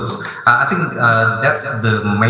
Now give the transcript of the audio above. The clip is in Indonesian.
saya pikir itu adalah